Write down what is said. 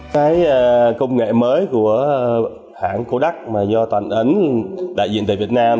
cái công nghệ mới của hãng cổd mà do toàn ấn đại diện tại việt nam